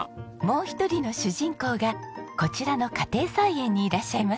もう一人の主人公がこちらの家庭菜園にいらっしゃいますよ。